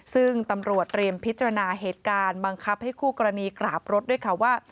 ซึ่งตำรวจเตรียมพิจารณาเหตุการณ์บังคับให้คู่กรณีกราบรถด้วยค่ะว่า